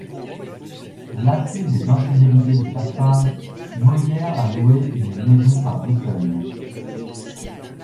Lassé des infidélités de sa femme, Molière a loué une maison à Auteuil.